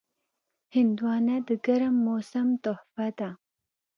هندوانه د ګرم موسم تحفه ده.